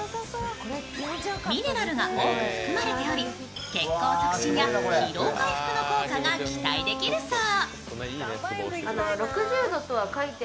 ミネラルが多く含まれており、血行促進や疲労回復の効果が期待できるそう。